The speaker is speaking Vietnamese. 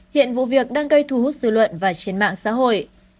hiện vụ việc đang gây thu hút sự luận và trên mạng xã hội